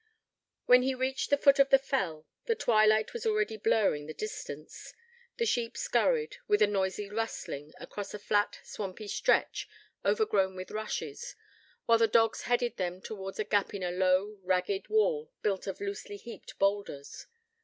When he reached the foot of the fell, the twilight was already blurring the distance. The sheep scurried, with a noisy rustling, across a flat, swampy stretch, over grown with rushes, while the dogs headed them towards a gap in a low, ragged wall built of loosely heaped boulders.